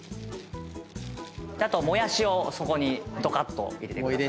あともやしをそこにどかっと入れてください。